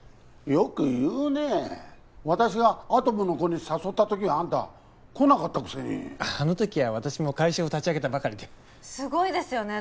よく言うねえ私がアトムの童に誘った時はあんた来なかったくせにあの時は私も会社を立ち上げたばかりですごいですよね